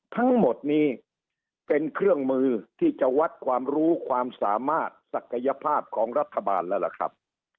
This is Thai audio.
ทั้งหมดนี้เป็นเครื่องมือที่จะวัดความรู้ความสามารถศักยภาพของรัฐบาลแล้วล่ะครับ